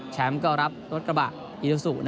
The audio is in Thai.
แชมป์ก็รับรถกระบะอินุสุ